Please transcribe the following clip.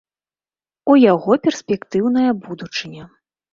У яго перспектыўная будучыня.